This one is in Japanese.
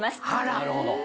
なるほど。